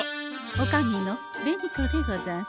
おかみの紅子でござんす。